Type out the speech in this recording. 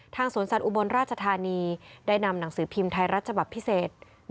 สวนสัตว์อุบลราชธานีได้นำหนังสือพิมพ์ไทยรัฐฉบับพิเศษ